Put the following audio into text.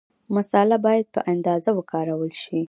مساله باید په اندازه وکارول شي.